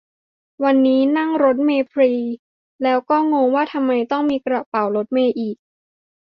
วันนี้ก็นั่งรถเมล์ฟรี แล้วก็งงว่าทำไมต้องมีกระเป๋ารถเมล์อีก